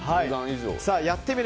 「やってみる。」